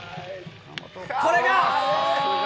これが。